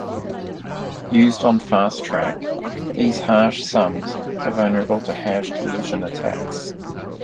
Used on FastTrack, these hash sums are vulnerable to hash collision attacks.